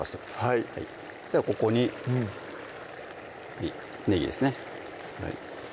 はいここにねぎですね